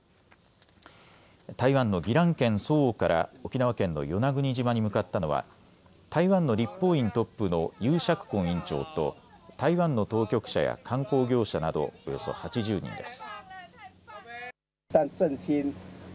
台湾の宜蘭県蘇澳から沖縄県の与那国島に向かったのは台湾の立法院トップの游錫こん院長と台湾の当局者や観光業者などおよそ８０人です。